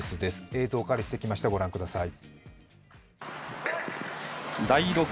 映像お借りしてきました御覧ください。